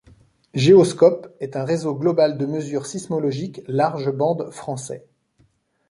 Geoscope est un réseau global de mesures sismologiques large bande français.